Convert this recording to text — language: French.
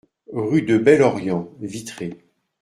Rue de Bel-Orient, Vitré